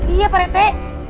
iya pak rete